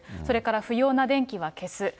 それから不要な電気は消す。